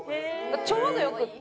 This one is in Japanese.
ちょうどよくって。